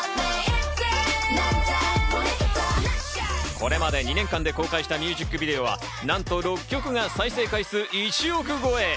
これまで２年間で公開したミュージックビデオはなんと６曲が再生回数１億超え。